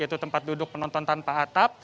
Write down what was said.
yaitu tempat duduk penonton tanpa atap